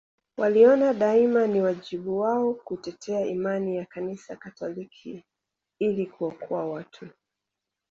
Waliona daima ni wajibu wao kutetea imani ya kanisa katoliki ili kuokoa watu